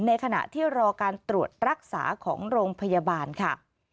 ในขณะที่รอการตรวจรักษาของโรงพยาบาลค่ะ